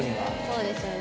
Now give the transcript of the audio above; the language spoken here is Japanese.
そうですよね。